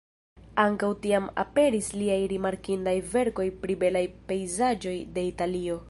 Ankaŭ tiam aperis liaj rimarkindaj verkoj pri belaj pejzaĝoj de Italio.